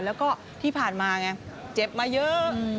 แล้วก็ที่ผ่านมาไงเจ็บมาเยอะ